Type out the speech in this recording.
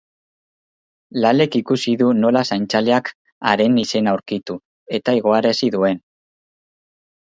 Lalek ikusi du nola zaintzaileak haren izena aurkitu, eta igoarazi duen.